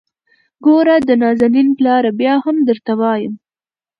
ګوره د نازنين پلاره ! بيا هم درته وايم.